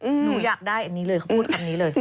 หนูอยากได้อันนี้เลยเขาพูดคำนี้เลย